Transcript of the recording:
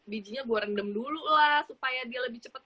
bijinya gue rendam dulu lah supaya dia lebih cepat